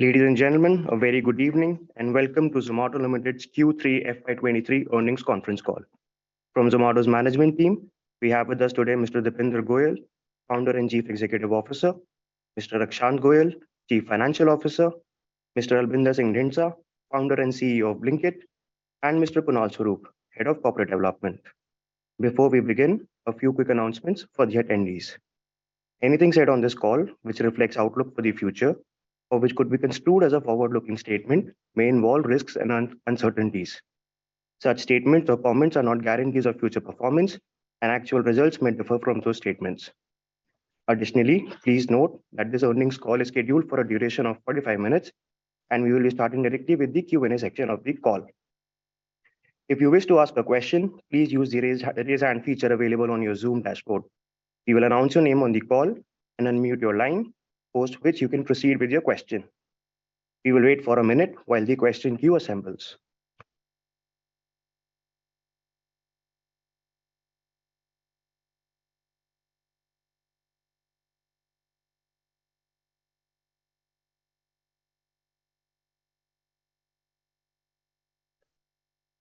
Ladies and gentlemen, a very good evening, and welcome to Zomato Limited's Q3 FY 2023 earnings conference call. From Zomato's management team, we have with us today Mr. Deepinder Goyal, Founder and Chief Executive Officer, Mr. Akshant Goyal, Chief Financial Officer, Mr. Albinder Singh Dhindsa, Founder and CEO of Blinkit, and Mr. Kunal Swarup, Head of Corporate Development. Before we begin, a few quick announcements for the attendees. Anything said on this call which reflects outlook for the future or which could be construed as a forward-looking statement, may involve risks and uncertainties. Such statements or comments are not guarantees of future performance, and actual results may differ from those statements. Additionally, please note that this earnings call is scheduled for a duration of 45 minutes, and we will be starting directly with the Q&A section of the call. If you wish to ask a question, please use the raise hand feature available on your Zoom dashboard. We will announce your name on the call and unmute your line, post which you can proceed with your question. We will wait for a minute while the question queue assembles.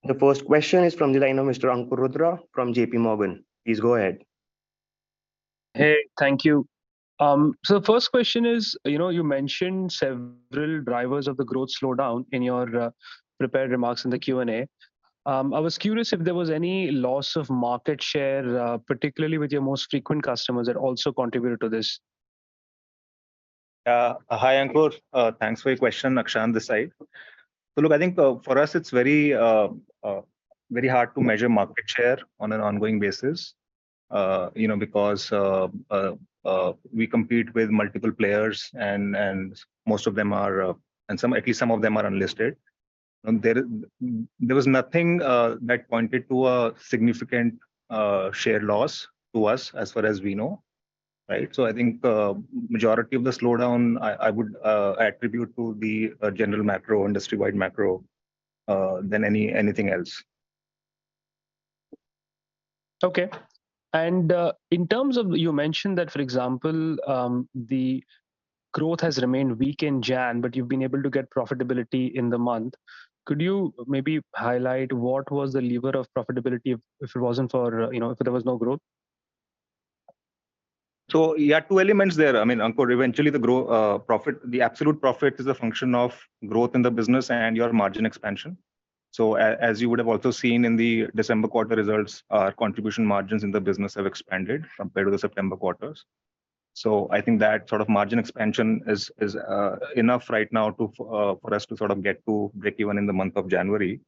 The first question is from the line of Mr. Ankur Rudra from JPMorgan. Please go ahead. Hey, thank you. The first question is, you know, you mentioned several drivers of the growth slowdown in your prepared remarks in the Q&A. I was curious if there was any loss of market share, particularly with your most frequent customers that also contributed to this. Hi, Ankur. Thanks for your question. Akshant this side. Look, I think, for us it's very, very hard to measure market share on an ongoing basis, you know, because we compete with multiple players and most of them are, at least some of them are unlisted. There was nothing that pointed to a significant share loss to us as far as we know, right. I think, majority of the slowdown I would attribute to the general macro, industry-wide macro, than anything else. Okay. In terms of you mentioned that for example, the growth has remained weak in Jan, but you've been able to get profitability in the month. Could you maybe highlight what was the lever of profitability if it wasn't for, you know, if there was no growth? Yeah, two elements there. I mean, Ankur, eventually the absolute profit is a function of growth in the business and your margin expansion. As you would have also seen in the December quarter results, our contribution margins in the business have expanded compared to the September quarters. I think that sort of margin expansion is enough right now to for us to sort of get to breakeven in the month of January.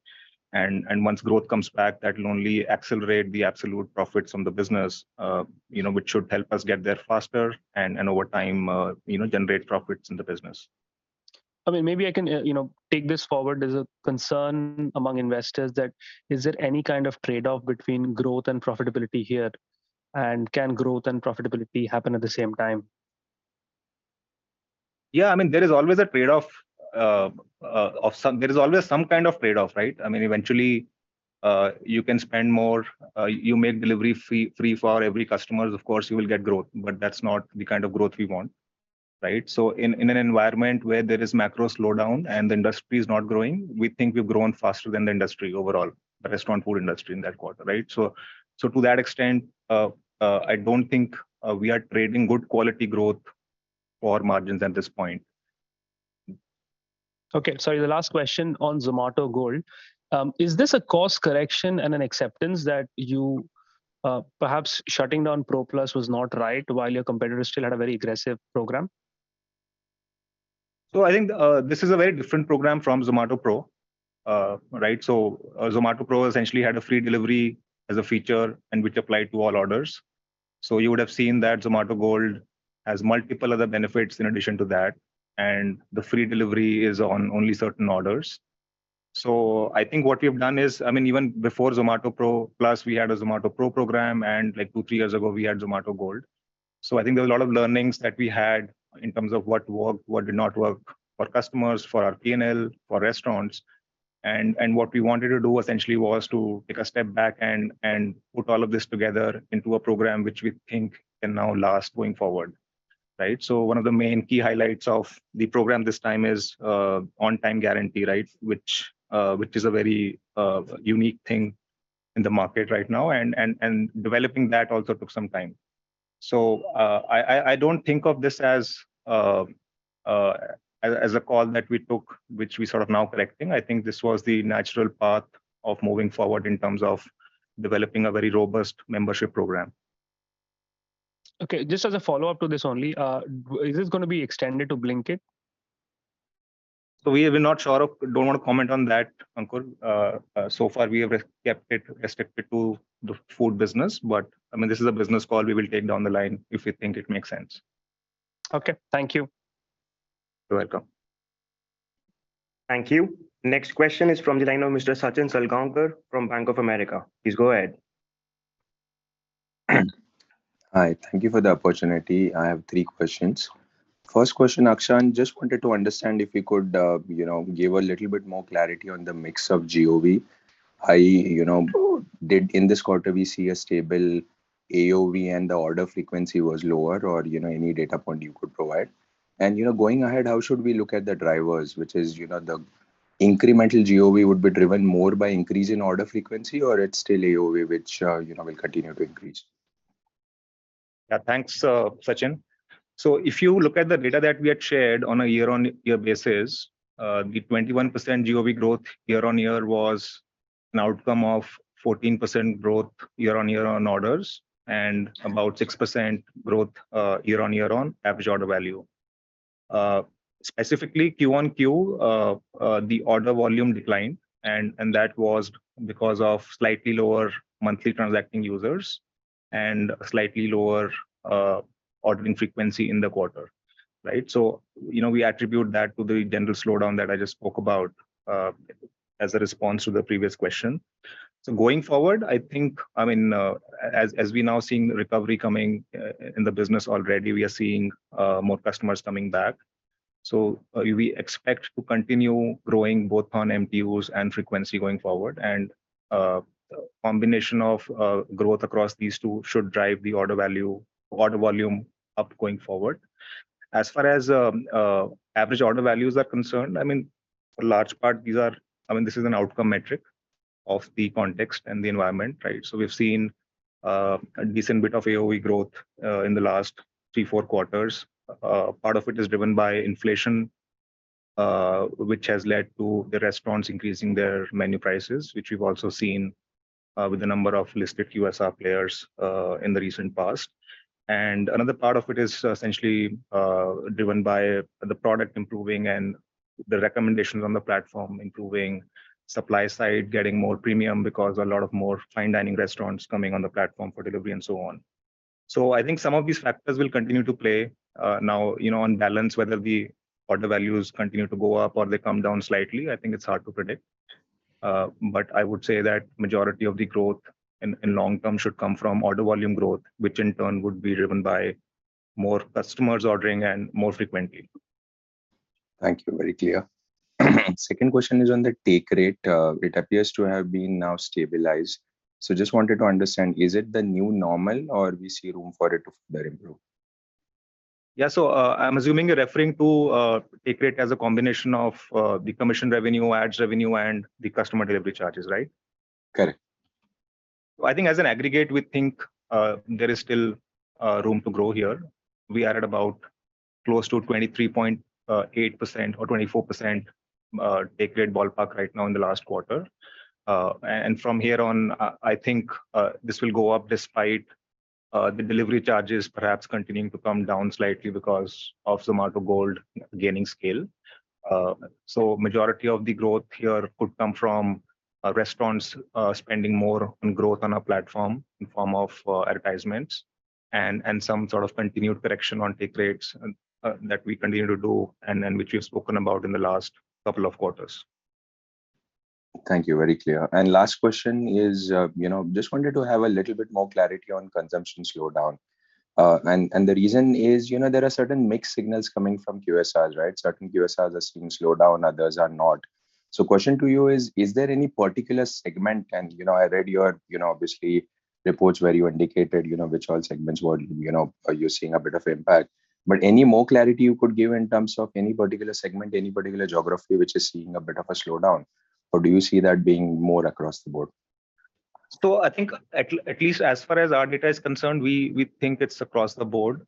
Once growth comes back, that will only accelerate the absolute profits from the business, you know, which should help us get there faster and over time, you know, generate profits in the business. I mean, maybe I can, you know, take this forward. There's a concern among investors that is there any kind of trade-off between growth and profitability here. Can growth and profitability happen at the same time? Yeah, I mean, there is always a trade-off, uh, uh, of some-- there is always some kind of trade-off, right? I mean, eventually, uh, you can spend more, uh, you make delivery fee free for every customers, of course you will get growth, but that's not the kind of growth we want, right? So in, in an environment where there is macro slowdown and the industry is not growing, we think we've grown faster than the industry overall, the restaurant food industry in that quarter, right? So, so to that extent, uh, uh, I don't think, uh, we are trading good quality growth for margins at this point. Okay. Sorry, the last question on Zomato Gold. Is this a course correction and an acceptance that you, perhaps shutting down Pro Plus was not right while your competitors still had a very aggressive program? This is a very different program from Zomato Pro. Right? Zomato Pro essentially had a free delivery as a feature and which applied to all orders. Zomato Gold has multiple other benefits in addition to that, and the free delivery is on only certain orders. I mean, even before Zomato Pro Plus, we had a Zomato Pro program, and like two, three years ago we had Zomato Gold. There's a lot of learnings that we had in terms of what worked, what did not work for customers, for our P&L, for restaurants. What we wanted to do essentially was to take a step back and put all of this together into a program which we think can now last going forward, right? One of the main key highlights of the program this time is on time guarantee, right? Which is a very unique thing in the market right now. Developing that also took some time. I don't think of this as a call that we took, which we sort of now correcting. I think this was the natural path of moving forward in terms of developing a very robust membership program. Okay, just as a follow-up to this only, is this gonna be extended to Blinkit? We don't wanna comment on that, Ankur. So far we have kept it restricted to the food business. I mean, this is a business call we will take down the line if we think it makes sense. Okay. Thank you. You're welcome. Thank you. Next question is from the line of Mr. Sachin Salgaonkar from Bank of America. Please go ahead. Hi. Thank you for the opportunity. I have three questions. First question, Akshant, just wanted to understand if you could, you know, give a little bit more clarity on the mix of GOV, you know, did in this quarter we see a stable AOV and the order frequency was lower or, you know, any data point you could provide? You know, going ahead, how should we look at the drivers, which is, you know, the incremental GOV would be driven more by increase in order frequency or it's still AOV which, you know, will continue to increase? Thanks, Sachin. If you look at the data that we had shared on a year-on-year basis, the 21% GOV growth year-on-year was an outcome of 14% growth year-on-year on orders and about 6% growth year-on-year on average order value. Specifically Q-on-Q, the order volume declined and that was because of slightly lower monthly transacting users and slightly lower ordering frequency in the quarter, right? You know, we attribute that to the general slowdown that I just spoke about as a response to the previous question. Going forward, I think, I mean, as we now seeing the recovery coming in the business already, we are seeing more customers coming back. We expect to continue growing both on MTUs and frequency going forward and the combination of growth across these two should drive the order value, order volume up going forward. As far as average order values are concerned, I mean, for a large part these are I mean, this is an outcome metric of the context and the environment, right? We've seen, a decent bit of AOV growth, in the last three, four quarters. Part of it is driven by inflation, which has led to the restaurants increasing their menu prices, which we've also seen, with a number of listed QSR players, in the recent past. Another part of it is essentially driven by the product improving and the recommendations on the platform, improving supply side, getting more premium because a lot of more fine dining restaurants coming on the platform for delivery and so on. I think some of these factors will continue to play, now, you know, on balance, whether the order values continue to go up or they come down slightly, I think it's hard to predict. I would say that majority of the growth in long term should come from order volume growth, which in turn would be driven by more customers ordering and more frequently. Thank you. Very clear. Second question is on the take rate. It appears to have been now stabilized. Just wanted to understand, is it the new normal or we see room for it to further improve? Yeah. I'm assuming you're referring to take rate as a combination of the commission revenue, ads revenue, and the customer delivery charges, right? Correct. I think as an aggregate, we think, there is still room to grow here. We are at about close to 23.8% or 24% take rate ballpark right now in the last quarter. From here on, I think, this will go up despite the delivery charges perhaps continuing to come down slightly because of Zomato Gold gaining scale. Majority of the growth here could come from restaurants spending more on growth on our platform in form of advertisements and some sort of continued correction on take rates that we continue to do and then which we've spoken about in the last couple of quarters. Thank you. Very clear. Last question is, you know, just wanted to have a little bit more clarity on consumption slowdown. And the reason is, you know, there are certain mixed signals coming from QSRs, right? Certain QSRs are seeing slowdown, others are not. Question to you is there any particular segment and, you know, I read your, you know, obviously reports where you indicated, you know, which all segments were, you know, are you seeing a bit of impact? Any more clarity you could give in terms of any particular segment, any particular geography which is seeing a bit of a slowdown, or do you see that being more across the board? I think at least as far as our data is concerned, we think it's across the board.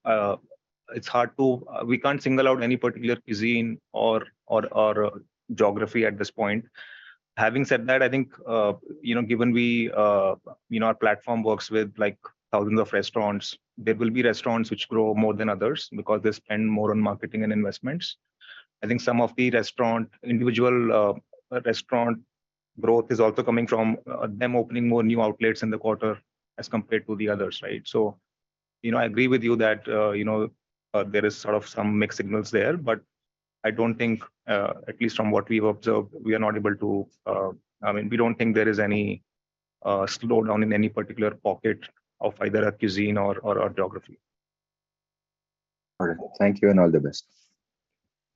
It's hard to we can't single out any particular cuisine or geography at this point. Having said that, I think, you know, given we, you know, our platform works with like thousands of restaurants, there will be restaurants which grow more than others because they spend more on marketing and investments. I think some of the restaurant, individual, restaurant growth is also coming from them opening more new outlets in the quarter as compared to the others, right? You know, I agree with you that, you know, there is sort of some mixed signals there, but I don't think, at least from what we've observed, we are not able to, I mean, we don't think there is any slowdown in any particular pocket of either a cuisine or geography. All right. Thank you and all the best.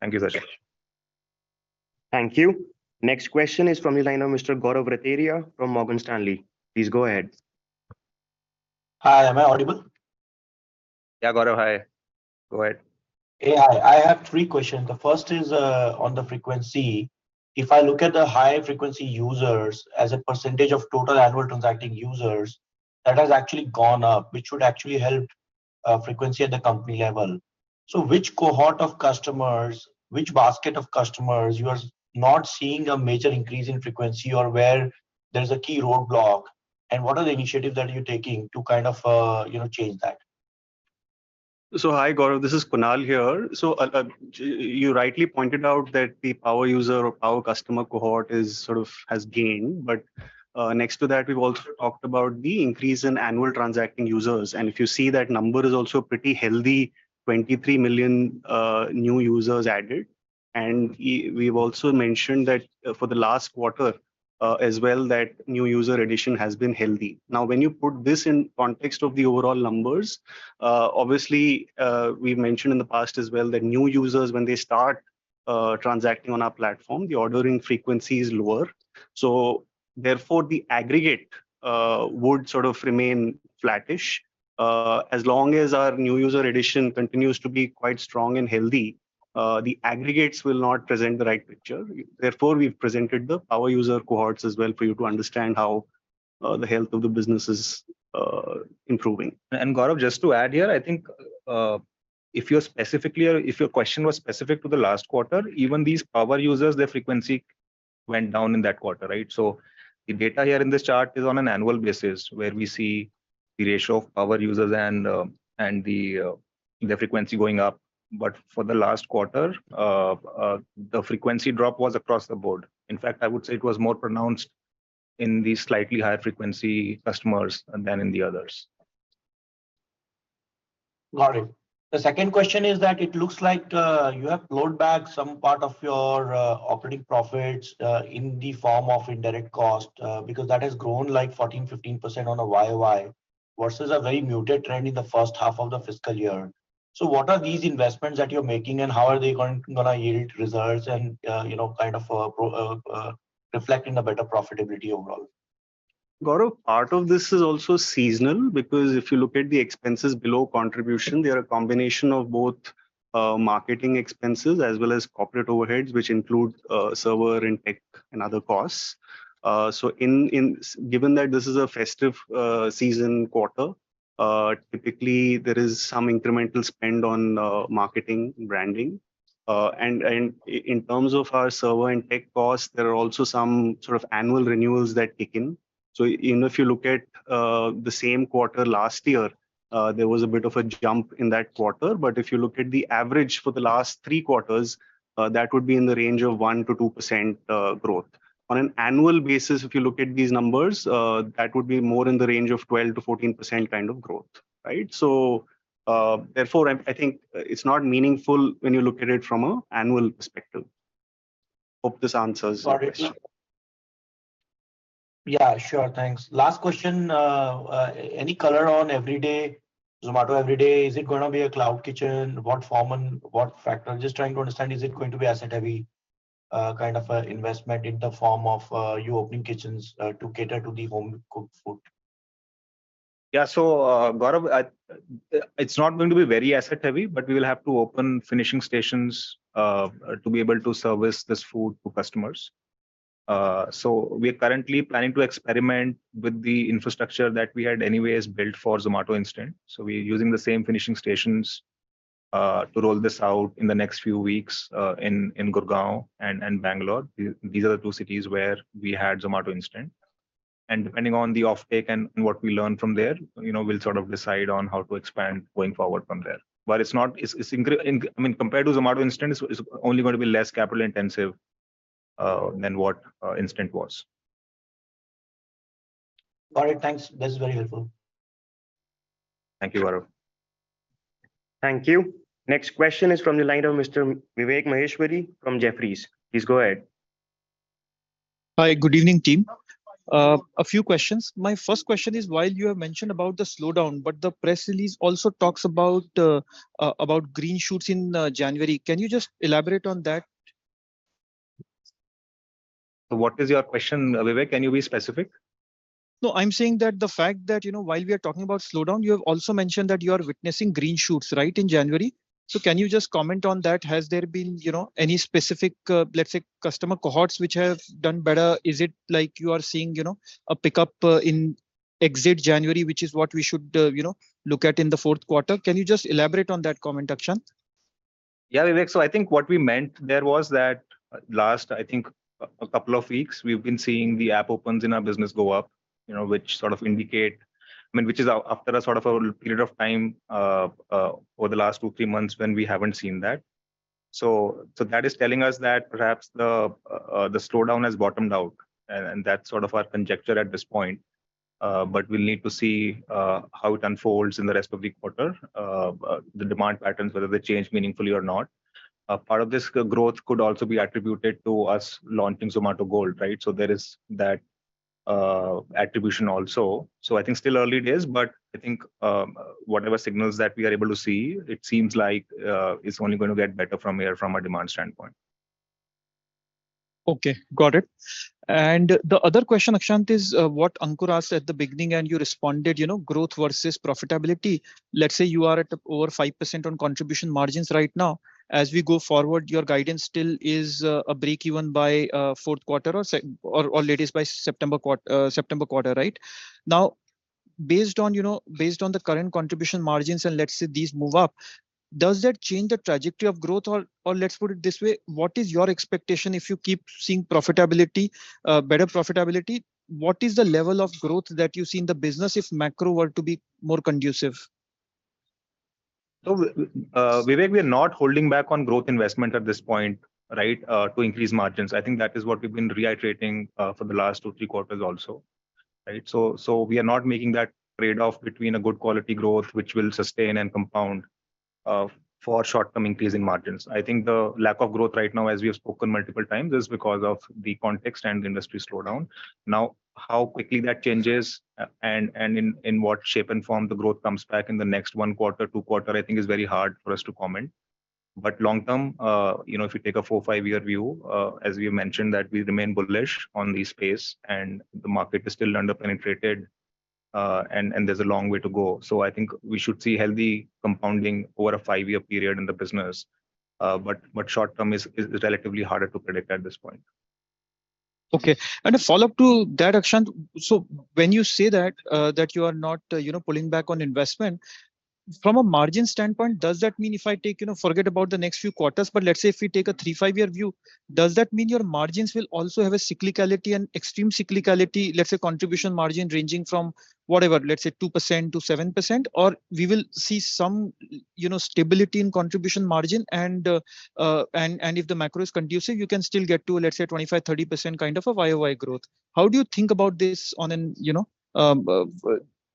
Thank you, Sachin. Thank you. Next question is from the line of Mr. Gaurav Rateria from Morgan Stanley. Please go ahead. Hi, am I audible? Gaurav. Hi. Go ahead. Yeah. I have three questions. The first is on the frequency. If I look at the high-frequency users as a % of total annual transacting users, that has actually gone up, which would actually help frequency at the company level. Which cohort of customers, which basket of customers you are not seeing a major increase in frequency or where there is a key roadblock, and what are the initiatives that you're taking to kind of, you know, change that? Hi, Gaurav. This is Kunal here. You rightly pointed out that the power user or power customer cohort is sort of has gained, next to that, we've also talked about the increase in annual transacting users. If you see that number is also pretty healthy, 23 million new users added. We've also mentioned that, for the last quarter, as well, that new user addition has been healthy. When you put this in context of the overall numbers, obviously, we've mentioned in the past as well that new users, when they start Transacting on our platform, the ordering frequency is lower. Therefore, the aggregate would sort of remain flattish. As long as our new user addition continues to be quite strong and healthy, the aggregates will not present the right picture. We've presented the power user cohorts as well for you to understand how the health of the business is improving. Gaurav, just to add here, I think, if your question was specific to the last quarter, even these power users, their frequency went down in that quarter, right? The data here in this chart is on an annual basis, where we see the ratio of power users and the frequency going up. For the last quarter, the frequency drop was across the board. In fact, I would say it was more pronounced in the slightly higher frequency customers than in the others. Got it. The second question is that it looks like you have load bagged some part of your operating profits in the form of indirect cost, because that has grown like 14%-15% on a YoY versus a very muted trend in the first half of the fiscal year. What are these investments that you're making and how are they gonna yield results and, you know, kind of, reflect in a better profitability overall? Gaurav, part of this is also seasonal because if you look at the expenses below contribution, they are a combination of both, marketing expenses as well as corporate overheads, which include, server and tech and other costs. So given that this is a festive season quarter, typically there is some incremental spend on marketing and branding. And in terms of our server and tech costs, there are also some sort of annual renewals that kick in. So even if you look at the same quarter last year, there was a bit of a jump in that quarter. If you look at the average for the last three quarters, that would be in the range of 1%-2% growth. On an annual basis, if you look at these numbers, that would be more in the range of 12%-14% kind of growth, right? Therefore, I think it's not meaningful when you look at it from an annual perspective. Hope this answers your question. Got it. Yeah, sure. Thanks. Last question. Any color on Everyday, Zomato Everyday, is it gonna be a cloud kitchen? What form and what factor? I'm just trying to understand, is it going to be asset heavy, kind of a investment in the form of, you opening kitchens, to cater to the home-cooked food? Yeah. Gaurav, it's not going to be very asset heavy, but we will have to open finishing stations to be able to service this food to customers. We are currently planning to experiment with the infrastructure that we had anyways built for Zomato Instant. We're using the same finishing stations to roll this out in the next few weeks in Gurgaon and Bangalore. These are the two cities where we had Zomato Instant. Depending on the off-take and what we learn from there, you know, we'll sort of decide on how to expand going forward from there. It's not, it's, I mean, compared to Zomato Instant, it's only gonna be less capital intensive than what Instant was. Got it. Thanks. That's very helpful. Thank you, Gaurav. Thank you. Next question is from the line of Mr. Vivek Maheshwari from Jefferies. Please go ahead. Hi. Good evening, team. A few questions. My first question is, while you have mentioned about the slowdown, but the press release also talks about green shoots in January. Can you just elaborate on that? What is your question, Vivek? Can you be specific? No, I'm saying that the fact that, you know, while we are talking about slowdown, you have also mentioned that you are witnessing green shoots, right, in January. Can you just comment on that? Has there been, you know, any specific, let's say, customer cohorts which have done better? Is it like you are seeing, you know, a pickup in exit January, which is what we should, you know, look at in the fourth quarter? Can you just elaborate on that comment, Akshant? Yeah, Vivek. I think what we meant there was that last, I think a couple of weeks, we've been seeing the app opens in our business go up, you know, which sort of I mean, which is after a sort of a period of time, over the last two, three months when we haven't seen that. That is telling us that perhaps the slowdown has bottomed out, and that's sort of our conjecture at this point. We'll need to see how it unfolds in the rest of the quarter, the demand patterns, whether they change meaningfully or not. A part of this growth could also be attributed to us launching Zomato Gold, right? There is that attribution also. I think still early days, but I think, whatever signals that we are able to see, it seems like, it's only gonna get better from here from a demand standpoint. Okay. Got it. The other question, Akshant, is what Ankur asked at the beginning, and you responded, you know, growth versus profitability. Let's say you are at over 5% on contribution margins right now. As we go forward, your guidance still is a breakeven by fourth quarter or latest by September quarter, right? Based on, you know, based on the current contribution margins, and let's say these move up, does that change the trajectory of growth? Let's put it this way, what is your expectation if you keep seeing profitability, better profitability? What is the level of growth that you see in the business if macro were to be more conducive? Vivek, we are not holding back on growth investment at this point, right, to increase margins. I think that is what we've been reiterating, for the last two, three quarters also, right? So we are not making that trade-off between a good quality growth, which we'll sustain and compound, for short-term increasing margins. I think the lack of growth right now, as we have spoken multiple times, is because of the context and industry slowdown. How quickly that changes and in what shape and form the growth comes back in the next one quarter, two quarter, I think is very hard for us to comment. Long term, you know, if you take a four or five-year view, as we mentioned, that we remain bullish on this space and the market is still under-penetrated, and there's a long way to go. I think we should see healthy compounding over a five-year period in the business. But short term is relatively harder to predict at this point. Okay. A follow-up to that, Akshant. When you say that you are not, you know, pulling back on investment, from a margin standpoint, does that mean if I take... you know, forget about the next few quarters, but let's say if we take a three, five-year view, does that mean your margins will also have a cyclicality and extreme cyclicality, let's say contribution margin ranging from, whatever, let's say 2%-7%? We will see some, you know, stability in contribution margin and if the macro is conducive, you can still get to, let's say, 25%-30% kind of a YoY growth. How do you think about this on an, you know,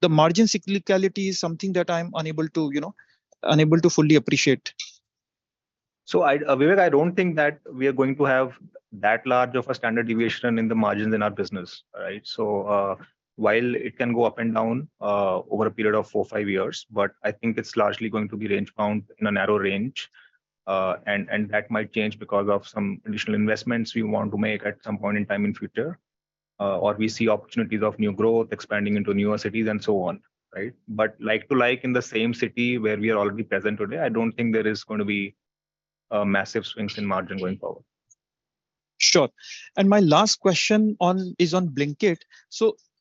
the margin cyclicality is something that I'm unable to, you know, fully appreciate. Vivek, I don't think that we are going to have that large of a standard deviation in the margins in our business, right. While it can go up and down over a period of four or five years, but I think it's largely going to be range bound in a narrow range. And that might change because of some additional investments we want to make at some point in time in future, or we see opportunities of new growth expanding into newer cities and so on, right. Like to like in the same city where we are already present today, I don't think there is going to be massive swings in margin going forward. Sure. My last question is on Blinkit.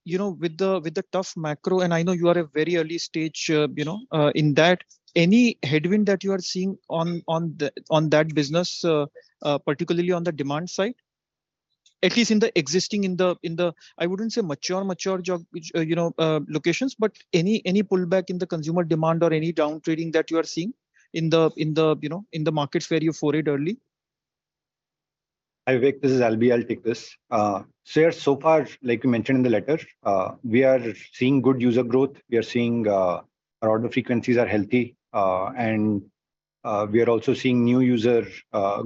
you know, with the tough macro, and I know you are a very early stage, you know, in that, any headwind that you are seeing on the, on that business, particularly on the demand side, at least in the existing, in the, I wouldn't say mature geo- you know, locations, but any pullback in the consumer demand or any down trading that you are seeing in the, you know, in the markets where you forayed early? Hi, Vivek, this is Albi, I'll take this. Yeah, so far, like we mentioned in the letter, we are seeing good user growth. We are seeing our order frequencies are healthy. We are also seeing new user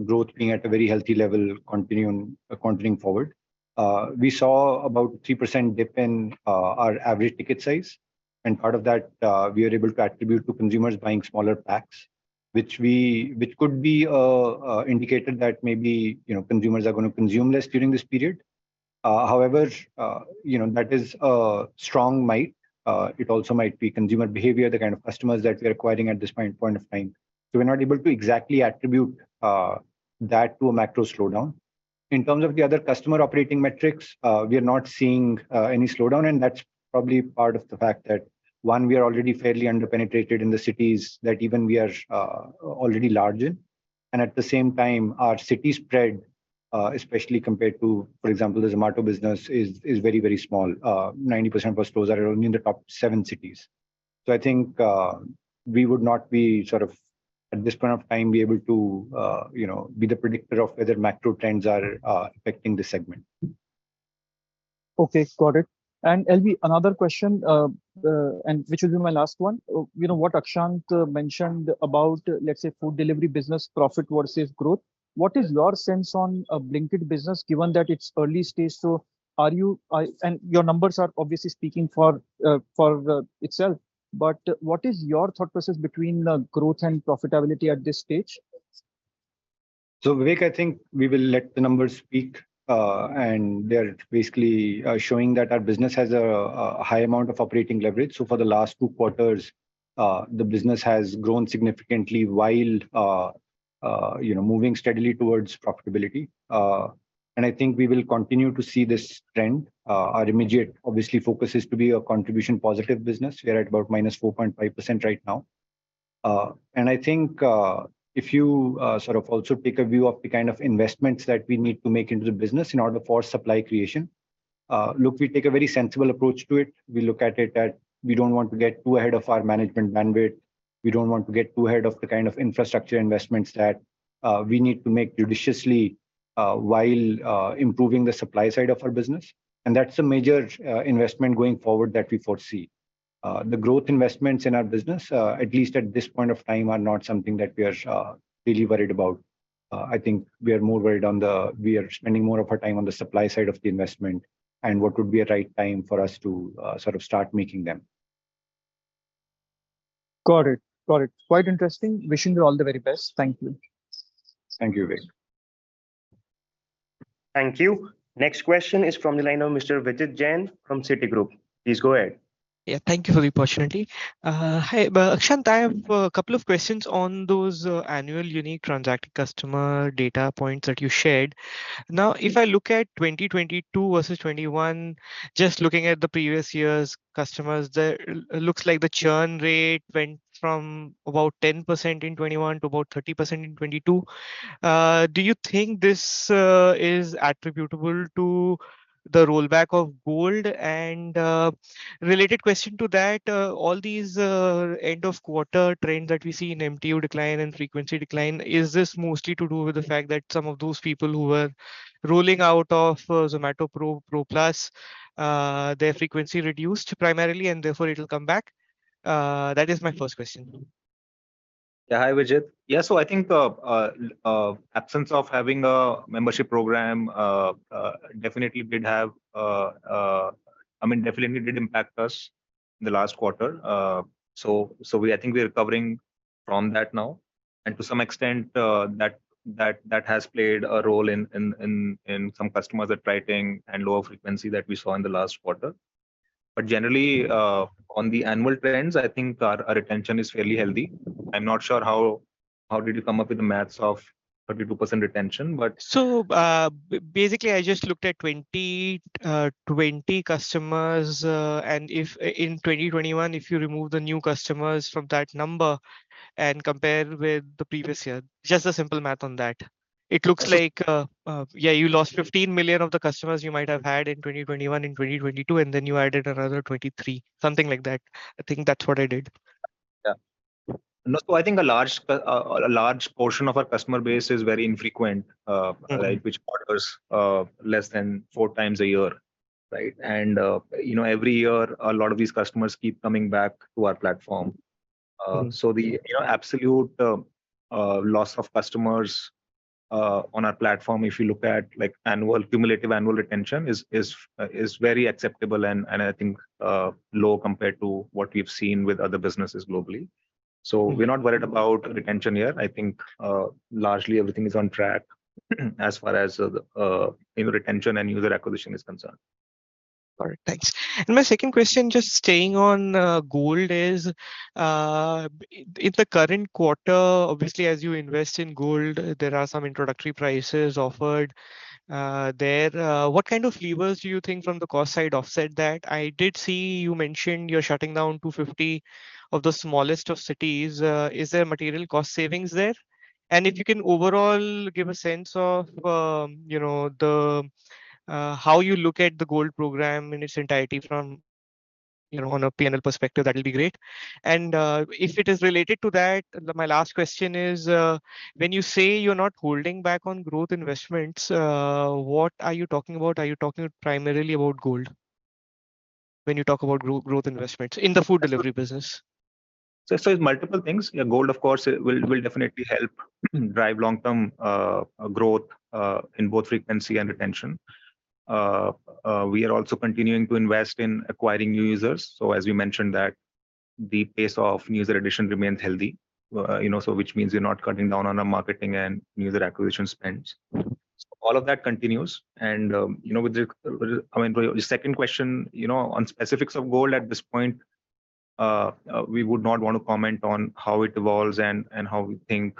growth being at a very healthy level continuing forward. We saw about 3% dip in our average ticket size. Part of that, we are able to attribute to consumers buying smaller packs, which could be a indicator that maybe, you know, consumers are gonna consume less during this period. However, you know, that is a strong might, it also might be consumer behavior, the kind of customers that we're acquiring at this point of time. We're not able to exactly attribute that to a macro slowdown. In terms of the other customer operating metrics, we are not seeing any slowdown, and that's probably part of the fact that, one, we are already fairly under-penetrated in the cities that even we are already large in. At the same time, our city spread, especially compared to, for example, the Zomato business is very, very small. 90% of our stores are only in the top seven cities. I think, we would not be sort of, at this point of time, be able to, you know, be the predictor of whether macro trends are affecting the segment. Okay, got it. Albi, another question, which will be my last one. You know what Akshant mentioned about, let's say, food delivery business profit versus growth. What is your sense on a Blinkit business, given that it's early stage? Your numbers are obviously speaking for itself. What is your thought process between growth and profitability at this stage? Vivek, I think we will let the numbers speak, and they're basically showing that our business has a high amount of operating leverage. For the last two quarters, the business has grown significantly while, you know, moving steadily towards profitability. I think we will continue to see this trend. Our immediate, obviously, focus is to be a contribution positive business. We are at about -4.5% right now. I think, if you sort of also take a view of the kind of investments that we need to make into the business in order for supply creation, look, we take a very sensible approach to it. We look at it that we don't want to get too ahead of our management bandwidth. We don't want to get too ahead of the kind of infrastructure investments that we need to make judiciously while improving the supply side of our business. That's a major investment going forward that we foresee. The growth investments in our business, at least at this point of time, are not something that we are really worried about. I think we are spending more of our time on the supply side of the investment and what would be a right time for us to sort of start making them. Got it. Got it. Quite interesting. Wishing you all the very best. Thank you. Thank you, Vivek. Thank you. Next question is from the line of Mr. Vijit Jain from Citigroup. Please go ahead. Yeah, thank you for the opportunity. Hi, Akshant, I have a couple of questions on those annual unique transacted customer data points that you shared. If I look at 2022 versus 2021, just looking at the previous year's customers, there looks like the churn rate went from about 10% in 2021 to about 30% in 2022. Do you think this is attributable to the rollback of Gold? Related question to that, all these end of quarter trends that we see in MTU decline and frequency decline, is this mostly to do with the fact that some of those people who were rolling out of Zomato Pro Plus, their frequency reduced primarily and therefore it'll come back? That is my first question. Yeah. Hi, Vijit. Yeah, I think the absence of having a membership program definitely did have. I mean, definitely it did impact us in the last quarter. So we, I think we're recovering from that now, and to some extent, that has played a role in some customers that writing and lower frequency that we saw in the last quarter. Generally, on the annual trends, I think our retention is fairly healthy. I'm not sure how did you come up with the math of 32% retention, but... Basically, I just looked at 2020 customers, in 2021, if you remove the new customers from that number and compare with the previous year. Just a simple math on that. It looks like, yeah, you lost 15 million of the customers you might have had in 2021, in 2022, then you added another 2023. Something like that. I think that's what I did. Yeah. No, I think a large portion of our customer base is very infrequent. Alright. Like, which orders, less than four times a year, right? You know, every year a lot of these customers keep coming back to our platform. Mm-hmm So the, you know, absolute, loss of customers, on our platform if you look at, like, annual, cumulative annual retention is very acceptable and I think, low compared to what we've seen with other businesses globally. We're not worried about retention here. I think, largely everything is on track as far as, the, you know, retention and user acquisition is concerned. All right, thanks. My second question, just staying on Gold is in the current quarter, obviously as you invest in Gold there are some introductory prices offered there. What kind of levers do you think from the cost side offset that? I did see you mentioned you're shutting down 250 of the smallest of cities. Is there material cost savings there? If you can overall give a sense of, you know, the how you look at the Gold program in its entirety from, you know, on a P&L perspective, that'll be great. If it is related to that, my last question is when you say you're not holding back on growth investments, what are you talking about? Are you talking primarily about Gold when you talk about growth investments in the food delivery business? So it's multiple things. Yeah, Gold of course will definitely help drive long-term growth in both frequency and retention. We are also continuing to invest in acquiring new users. As we mentioned that the pace of new user addition remains healthy, you know, so which means we're not cutting down on our marketing and new user acquisition spends. All of that continues and, you know, I mean, the second question, you know, on specifics of Gold at this point, we would not want to comment on how it evolves and how we think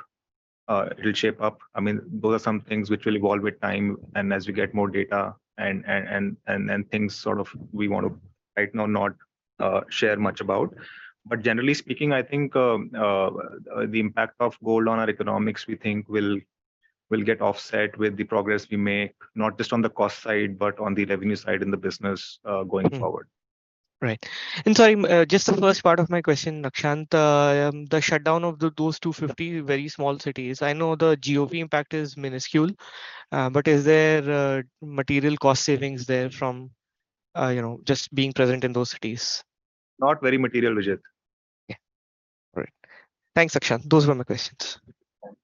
it'll shape up. I mean, those are some things which will evolve with time and as we get more data and things sort of we want to right now not share much about. Generally speaking, I think the impact of Gold on our economics we think will get offset with the progress we make, not just on the cost side, but on the revenue side in the business going forward. Mm-hmm. Right. Sorry, just the first part of my question, Akshant, the shutdown of those 250 very small cities, I know the GOV impact is minuscule, is there material cost savings there from, you know, just being present in those cities? Not very material, Vijit. Yeah. All right. Thanks, Akshant. Those were my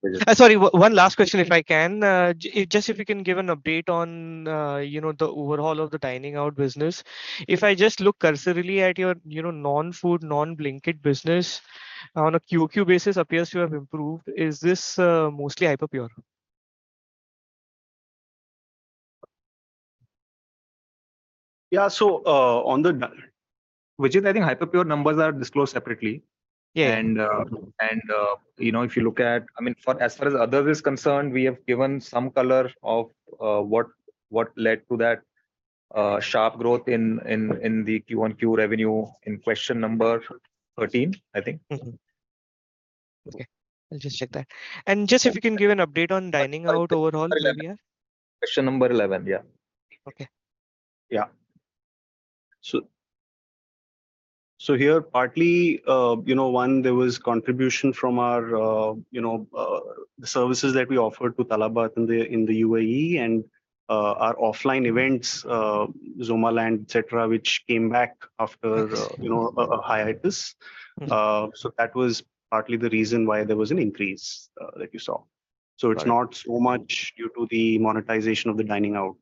questions. Thanks, Vijit. Sorry, one last question if I can. Just if you can give an update on, you know, the overhaul of the dining out business. If I just look cursorily at your, you know, non-food, non-Blinkit business on a QoQ basis appears to have improved. Is this mostly Hyperpure? Yeah. which is I think Hyperpure numbers are disclosed separately. Yeah. You know, if you look at, I mean, for as far as other is concerned, we have given some color of what led to that sharp growth in the QoQ revenue in question number 13, I think. Okay. I'll just check that. Just if you can give an update on dining out overall maybe, yeah. Question number 11. Yeah. Okay. Yeah. Here partly, you know, one, there was contribution from our, you know, the services that we offered to Talabat in the UAE and, our offline events, Zomaland, et cetera, which came back after- Yes you know, a hiatus. Mm-hmm. That was partly the reason why there was an increase that you saw. Right. It's not so much due to the monetization of the dining out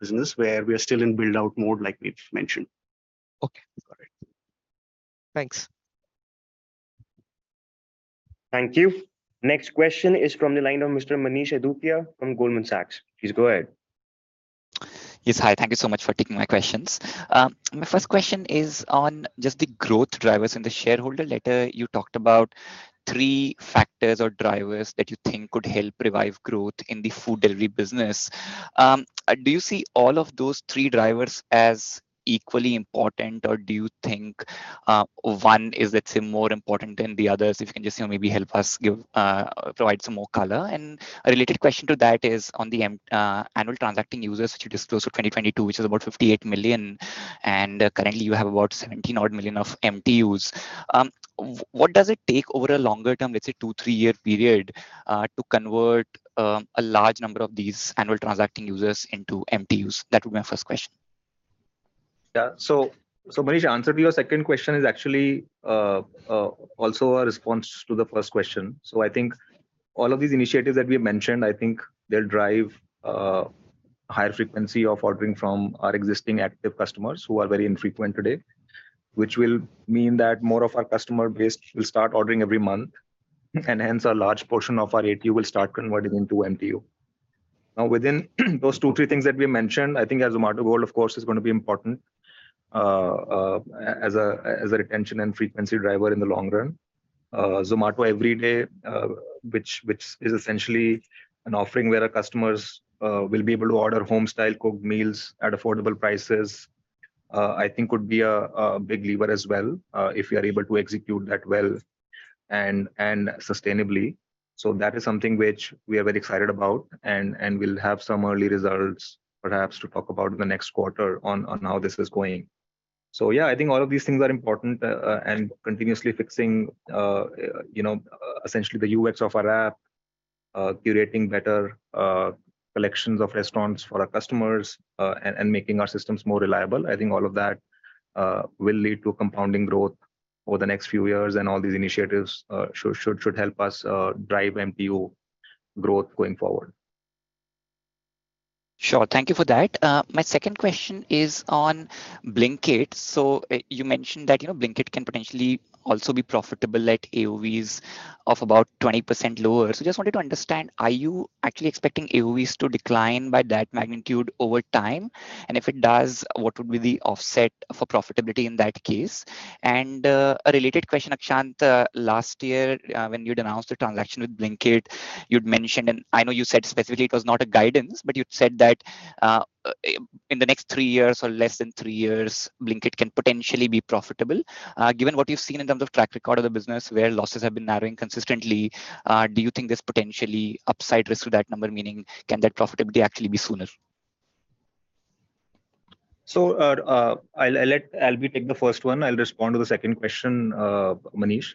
business, where we are still in build-out mode like we've mentioned. Okay. Got it. Thanks. Thank you. Next question is from the line of Mr. Manish Adukia from Goldman Sachs. Please go ahead. Yes. Hi. Thank you so much for taking my questions. My first question is on just the growth drivers. In the shareholder letter, you talked about three factors or drivers that you think could help revive growth in the food delivery business. Do you see all of those three drivers as equally important, or do you think one is, let's say, more important than the others? If you can just, you know, maybe help us give, provide some more color. A related question to that is on the annual transacting users that you disclosed for 2022, which is about 58 million, and currently you have about 17 odd million of MTUs. What does it take over a longer term, let's say two, three-year period, to convert a large number of these annual transacting users into MTUs? That would be my first question. Yeah. Manish, answer to your second question is actually, also a response to the first question. All of these initiatives that we mentioned, I think they'll drive higher frequency of ordering from our existing active customers who are very infrequent today, which will mean that more of our customer base will start ordering every month. Mm-hmm. Hence a large portion of our ATU will start converting into MTU. Within those two, three things that we mentioned, I think our Zomato goal, of course, is gonna be important as a retention and frequency driver in the long run. Zomato Everyday, which is essentially an offering where our customers will be able to order home-style cooked meals at affordable prices, I think would be a big lever as well, if we are able to execute that well and sustainably. That is something which we are very excited about and we'll have some early results perhaps to talk about in the next quarter on how this is going. Yeah, I think all of these things are important, and continuously fixing, you know, essentially the UX of our app, curating better collections of restaurants for our customers, and making our systems more reliable. I think all of that will lead to compounding growth over the next few years and all these initiatives should help us drive MTU growth going forward. Sure. Thank you for that. My second question is on Blinkit. You mentioned that, you know, Blinkit can potentially also be profitable at AOVs of about 20% lower. Just wanted to understand, are you actually expecting AOVs to decline by that magnitude over time? If it does, what would be the offset for profitability in that case? A related question, Akshant, last year, when you'd announced a transaction with Blinkit, you'd mentioned, and I know you said specifically it was not a guidance, but you'd said that, in the next three years or less than three years, Blinkit can potentially be profitable. Given what you've seen in terms of track record of the business where losses have been narrowing consistently, do you think there's potentially upside risk to that number? Meaning can that profitability actually be sooner? I'll let Albi take the first one. I'll respond to the second question, Manish.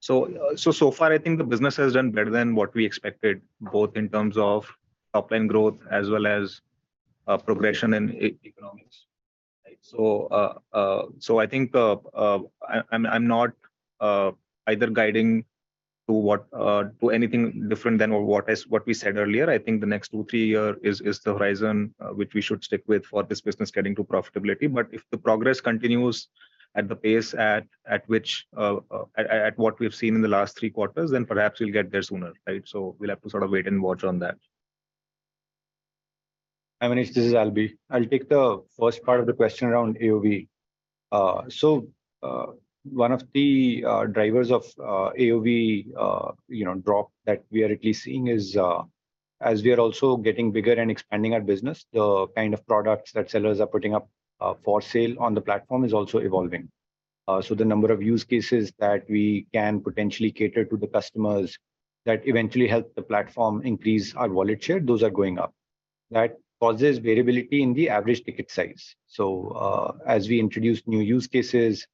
So far, I think the business has done better than what we expected, both in terms of top line growth as well as progression in e-economics. Right. I think I'm not either guiding to anything different than what is what we said earlier. I think the next two, three year is the horizon which we should stick with for this business getting to profitability. If the progress continues at the pace at which at what we've seen in the last three quarters, perhaps we'll get there sooner, right? We'll have to sort of wait and watch on that. Hi, Manish, this is Albi. I'll take the first part of the question around AOV. One of the drivers of AOV, you know, drop that we are at least seeing is as we are also getting bigger and expanding our business, the kind of products that sellers are putting up for sale on the platform is also evolving. The number of use cases that we can potentially cater to the customers that eventually help the platform increase our wallet share, those are going up. That causes variability in the average ticket size. As we introduce new use cases,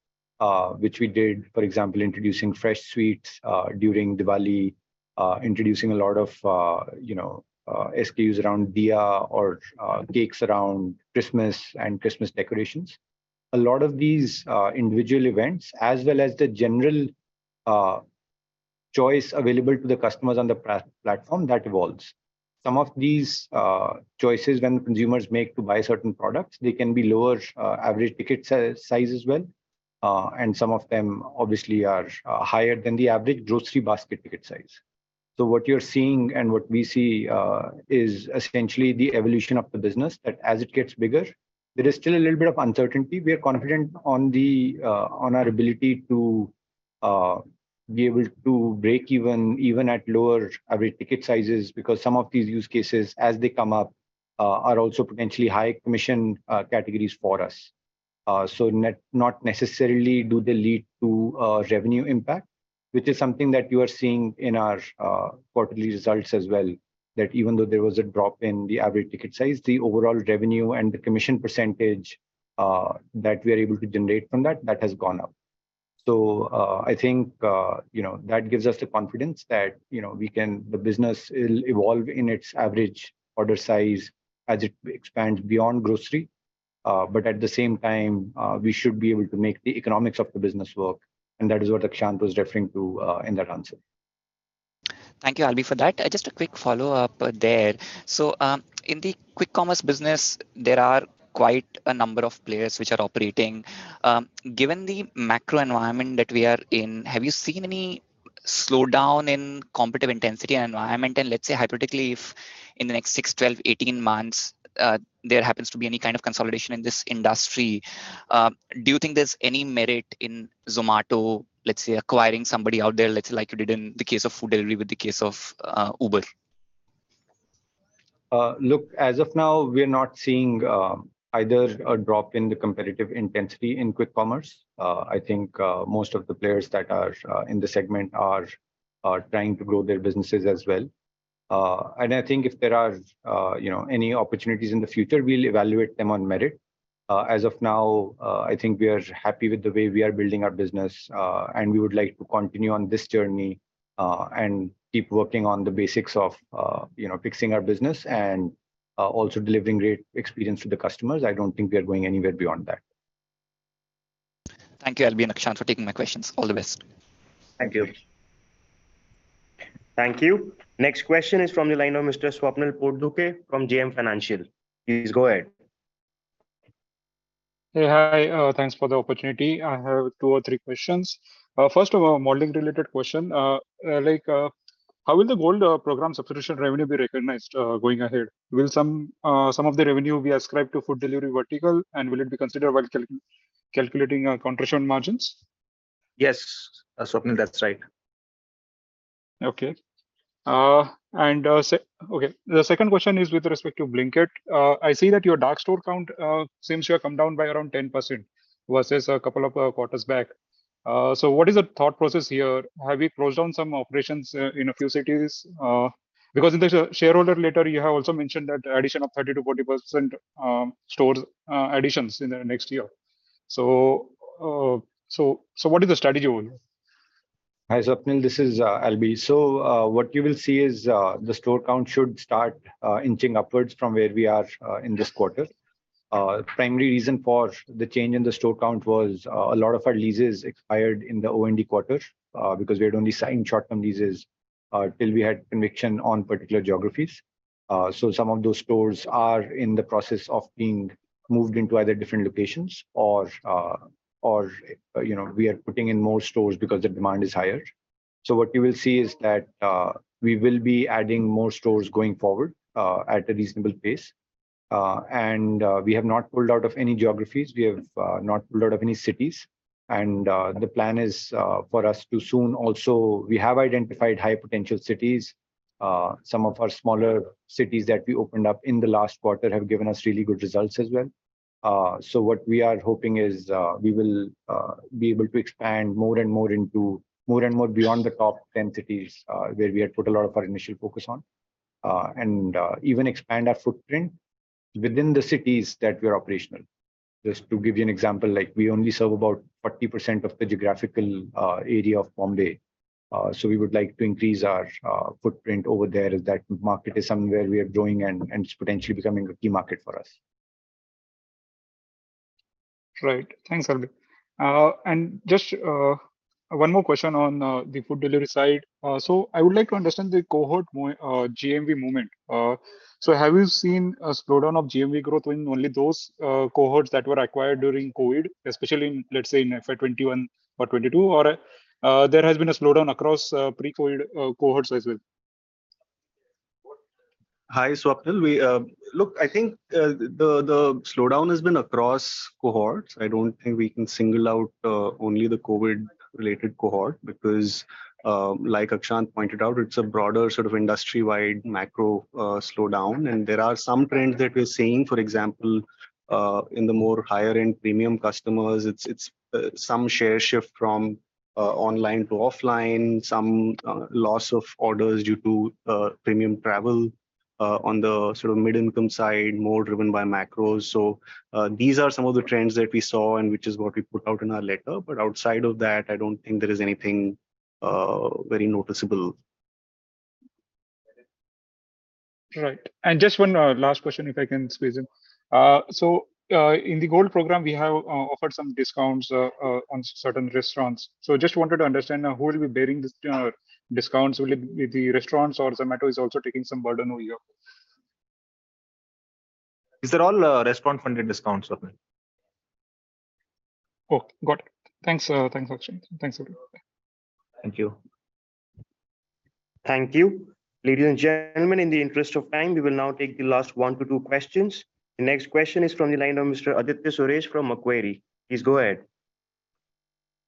which we did, for example, introducing fresh sweets during Diwali, introducing a lot of, you know, SKUs around diya or cakes around Christmas and Christmas decorations. A lot of these individual events, as well as the general choice available to the customers on the platform, that evolves. Some of these choices when consumers make to buy certain products, they can be lower average ticket size as well. Some of them obviously are higher than the average grocery basket ticket size. What you're seeing and what we see, is essentially the evolution of the business that as it gets bigger, there is still a little bit of uncertainty. We are confident on the on our ability to be able to break even at lower average ticket sizes because some of these use cases as they come up, are also potentially high commission categories for us. So not necessarily do they lead to revenue impact, which is something that you are seeing in our quarterly results as well, that even though there was a drop in the average ticket size, the overall revenue and the commission percentage that we are able to generate from that has gone up. I think, you know, that gives us the confidence that, you know, the business will evolve in its average order size as it expands beyond grocery. But at the same time, we should be able to make the economics of the business work, and that is what Akshant was referring to in that answer. Thank you, Albi, for that. Just a quick follow-up there. In the quick commerce business, there are quite a number of players which are operating. Given the macro environment that we are in, have you seen any slowdown in competitive intensity environment? Let's say, hypothetically, if in the next six, 12, 18 months, there happens to be any kind of consolidation in this industry, do you think there's any merit in Zomato, let's say, acquiring somebody out there, let's say like you did in the case of food delivery with the case of, Uber? Look, as of now, we're not seeing either a drop in the competitive intensity in quick commerce. I think most of the players that are in the segment are trying to grow their businesses as well. I think if there are, you know, any opportunities in the future, we'll evaluate them on merit. As of now, I think we are happy with the way we are building our business, and we would like to continue on this journey, and keep working on the basics of, you know, fixing our business and also delivering great experience to the customers. I don't think we are going anywhere beyond that. Thank you, Albi and Akshant, for taking my questions. All the best. Thank you. Thank you. Next question is from the line of Mr. Swapnil Potdukhe from JM Financial. Please go ahead. Hey. Hi, thanks for the opportunity. I have two or three questions. First of all a modeling related question. Like how will the Gold program subscription revenue be recognized going ahead? Will some of the revenue be ascribed to food delivery vertical, and will it be considered while calculating contribution margins? Yes, Swapnil, that's right. Okay. The second question is with respect to Blinkit. I see that your dark store count seems to have come down by around 10% versus a couple of quarters back. What is the thought process here? Have you closed down some operations in a few cities? Because in the shareholder letter you have also mentioned that addition of 30%-40% stores additions in the next year. What is the strategy over here? Hi, Swapnil, this is Albi. What you will see is the store count should start inching upwards from where we are in this quarter. Primary reason for the change in the store count was a lot of our leases expired in the O&D quarter because we had only signed short-term leases till we had conviction on particular geographies. Some of those stores are in the process of being moved into other different locations or, you know, we are putting in more stores because the demand is higher. What you will see is that we will be adding more stores going forward at a reasonable pace. We have not pulled out of any geographies. We have not pulled out of any cities and the plan is for us to soon. We have identified high potential cities. Some of our smaller cities that we opened up in the last quarter have given us really good results as well. What we are hoping is, we will be able to expand more and more into more and more beyond the top 10 cities, where we had put a lot of our initial focus on. Even expand our footprint within the cities that we're operational. Just to give you an example, like, we only serve about 40% of the geographical area of Mumbai. We would like to increase our footprint over there as that market is somewhere we are growing and it's potentially becoming a key market for us. Right. Thanks, Albi. Just one more question on the food delivery side. I would like to understand the cohort GMV moment. Have you seen a slowdown of GMV growth in only those cohorts that were acquired during COVID, especially in, let's say in FY 2021 or 2022? Or there has been a slowdown across pre-COVID cohorts as well? Hi, Swapnil. Look, I think the slowdown has been across cohorts. I don't think we can single out only the COVID-related cohort because like Akshant pointed out, it's a broader sort of industry-wide macro slowdown. There are some trends that we're seeing, for example, in the more higher-end premium customers, it's some share shift from online to offline, some loss of orders due to premium travel on the sort of mid-income side, more driven by macros. These are some of the trends that we saw and which is what we put out in our letter. Outside of that, I don't think there is anything very noticeable. Right. Just one last question, if I can squeeze in. In the Gold program we have offered some discounts on certain restaurants. Just wanted to understand now who will be bearing the discounts. Will it be the restaurants or Zomato is also taking some burden over here? These are all restaurant-funded discounts, Swapnil. Got it. Thanks, thanks Akshant. Thanks, Albi. Thank you. Thank you. Ladies and gentlemen, in the interest of time, we will now take the last one to two questions. The next question is from the line of Mr. Aditya Suresh from Macquarie. Please go ahead.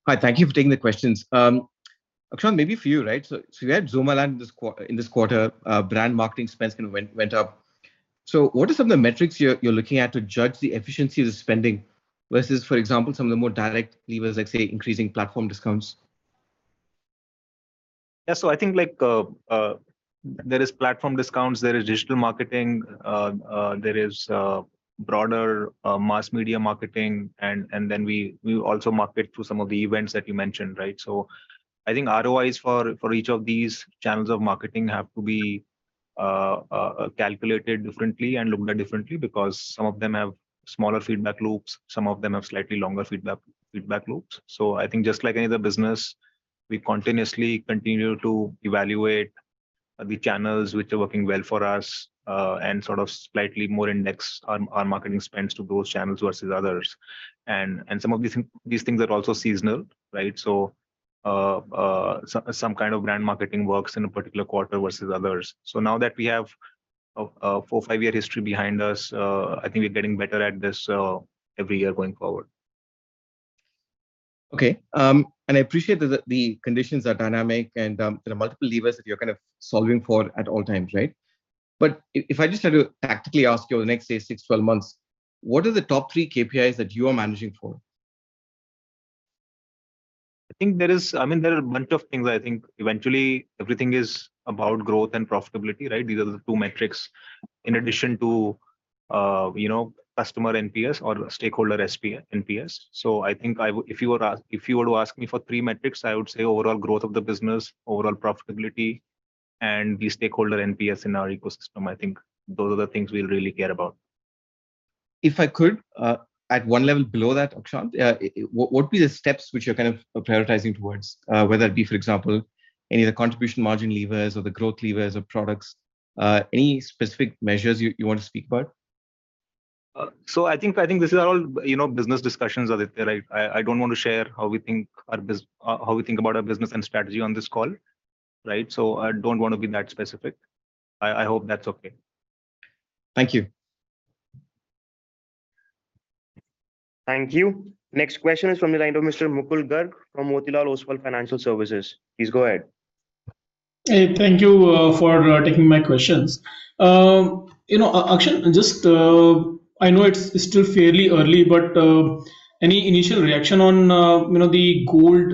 Hi. Thank you for taking the questions. Akshant, maybe for you, right? We had Zomaland in this quarter, brand marketing spends kind of went up. What are some of the metrics you're looking at to judge the efficiency of the spending versus, for example, some of the more direct levers like, say, increasing platform discounts? Yeah. I think like there is platform discounts, there is digital marketing, there is broader mass media marketing, and then we also market through some of the events that you mentioned, right? I think ROIs for each of these channels of marketing have to be calculated differently and looked at differently because some of them have smaller feedback loops, some of them have slightly longer feedback loops. I think just like any other business, we continuously continue to evaluate the channels which are working well for us, and sort of slightly more index our marketing spends to those channels versus others. Some of these things are also seasonal, right? So some kind of brand marketing works in a particular quarter versus others. Now that we have a four, five-year history behind us, I think we're getting better at this every year going forward. Okay. I appreciate that the conditions are dynamic and there are multiple levers that you're kind of solving for at all times, right? If I just had to tactically ask you over the next, say, six, 12 months, what are the top three KPIs that you are managing for? I mean, there are a bunch of things that I think eventually everything is about growth and profitability, right? These are the two metrics in addition to, you know, customer NPS or stakeholder NPS. I think if you were to ask me for three metrics, I would say overall growth of the business, overall profitability. The stakeholder NPS in our ecosystem, I think those are the things we really care about. If I could, at one level below that, Akshant, what would be the steps which you're kind of prioritizing towards, whether it be, for example, any of the contribution margin levers or the growth levers of products? Any specific measures you want to speak about? I think these are all, you know, business discussions, Aditya. I don't want to share how we think about our business and strategy on this call, right? I don't wanna be that specific. I hope that's okay. Thank you. Thank you. Next question is from the line of Mr. Mukul Garg from Motilal Oswal Financial Services. Please go ahead. Thank you for taking my questions. You know, Akshant, just, I know it's still fairly early, but any initial reaction on, you know, the Gold,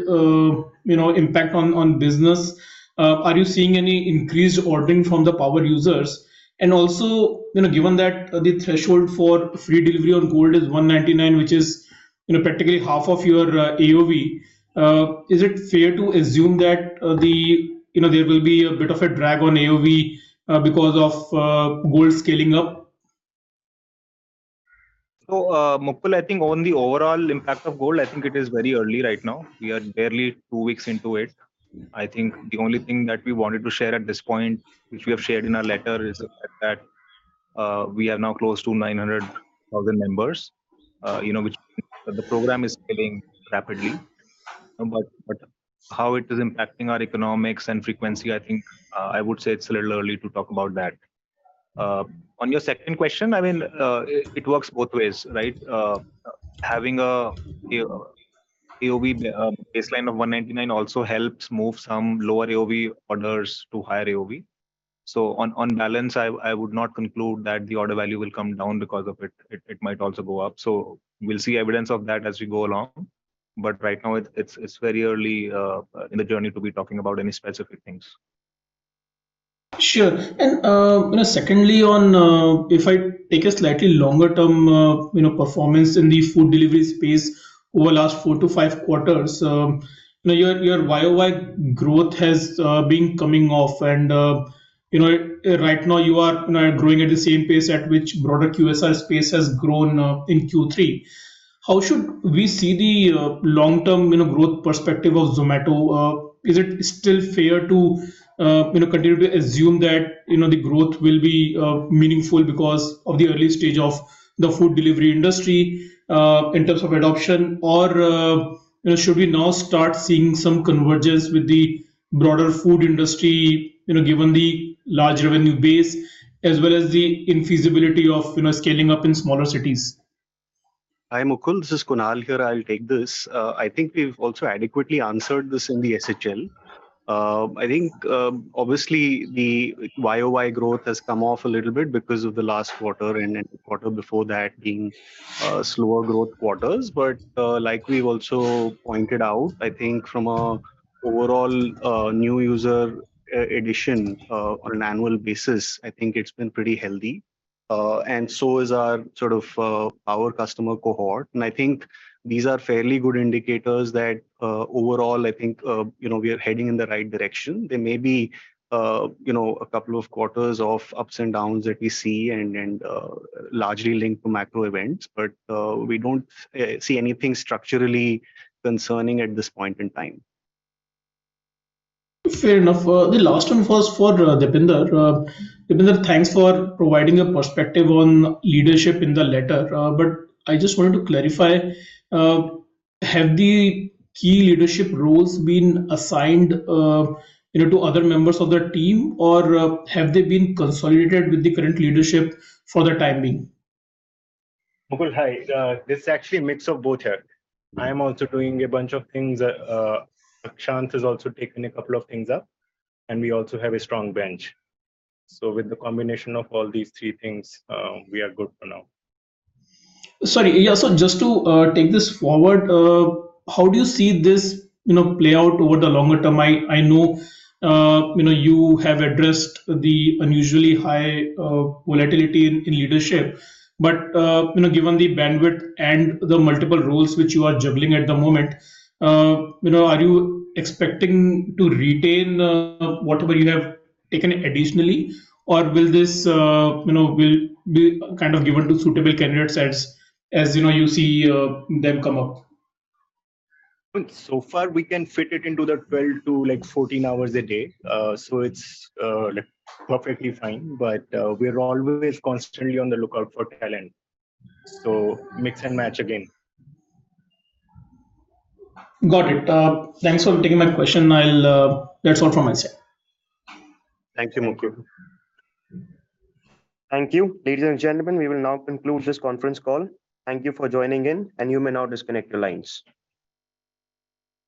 you know, impact on business? Are you seeing any increased ordering from the power users? Also, you know, given that the threshold for free delivery on Gold is 199, which is, you know, practically half of your AOV, is it fair to assume that, you know, there will be a bit of a drag on AOV because of Gold scaling up? Mukul, I think on the overall impact of Gold, I think it is very early right now. We are barely two weeks into it. I think the only thing that we wanted to share at this point, which we have shared in our letter, is that we are now close to 900,000 members, you know, which means that the program is scaling rapidly. How it is impacting our economics and frequency, I think, I would say it's a little early to talk about that. On your second question, I mean, it works both ways, right? Having a, you know, AOV baseline of 199 also helps move some lower AOV orders to higher AOV. On balance, I would not conclude that the order value will come down because of it might also go up. We'll see evidence of that as we go along. Right now it's very early in the journey to be talking about any specific things. Sure. Secondly on, you know, if I take a slightly longer term, you know, performance in the food delivery space over the last four to five quarters, you know, your YoY growth has been coming off and, you know, right now you are, you know, growing at the same pace at which broader QSR space has grown in Q3. How should we see the long-term, you know, growth perspective of Zomato? Is it still fair to, you know, continue to assume that, you know, the growth will be meaningful because of the early stage of the food delivery industry in terms of adoption? Should we now start seeing some convergence with the broader food industry, you know, given the large revenue base as well as the infeasibility of, you know, scaling up in smaller cities? Hi, Mukul. This is Kunal here. I'll take this. I think we've also adequately answered this in the SHL. I think, obviously the year-over-year growth has come off a little bit because of the last quarter and the quarter before that being slower growth quarters. Like we've also pointed out, I think from a overall new user addition on an annual basis, I think it's been pretty healthy. is our sort of power customer cohort. I think these are fairly good indicators that, overall, I think, you know, we are heading in the right direction. There may be, you know, a couple of quarters of ups and downs that we see and largely linked to macro events. We don't see anything structurally concerning at this point in time. Fair enough. The last one was for Deepinder. Deepinder, thanks for providing a perspective on leadership in the letter. I just wanted to clarify, have the key leadership roles been assigned, you know, to other members of the team? Or have they been consolidated with the current leadership for the time being? Mukul, hi. This is actually a mix of both here. I am also doing a bunch of things. Akshant has also taken a couple of things up. We also have a strong bench. With the combination of all these three things, we are good for now. Sorry. Yeah, so just to take this forward, how do you see this, you know, play out over the longer term? I know, you know, you have addressed the unusually high volatility in leadership. Given, you know, the bandwidth and the multiple roles which you are juggling at the moment, you know, are you expecting to retain whatever you have taken additionally? Will this, you know, will be kind of given to suitable candidates as, you know, you see them come up? So far we can fit it into the 12 to, like, 14 hours a day. It's, like, perfectly fine. We're always constantly on the lookout for talent. Mix and match again. Got it. Thanks for taking my question. That's all from my side. Thank you, Mukul. Thank you. Ladies and gentlemen, we will now conclude this conference call. Thank you for joining in. You may now disconnect your lines.